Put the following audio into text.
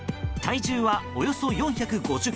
体重はおよそ４５０ｋｇ。